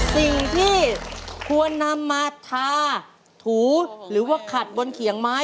สิ่งที่ควรนำมาทาถูหรือว่าขัดบนเขียงไม้